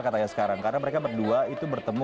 katanya sekarang karena mereka berdua itu bertemu